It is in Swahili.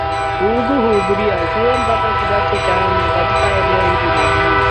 hudhu hudhuria shule mpaka kidato cha nne katika eneo hili la dunia